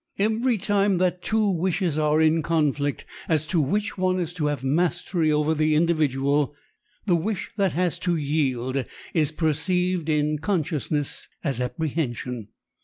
Every time that two wishes are in conflict as to which one is to have mastery over the individual the wish that has to yield is perceived in consciousness as apprehension.